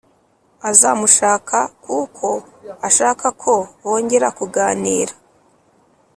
azamushaka kuko ashaka ko bongera kuganira,